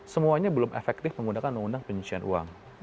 semuanya belum efektif menggunakan undang undang pencucian uang